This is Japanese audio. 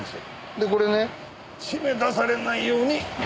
でこれね締め出されないようになんです。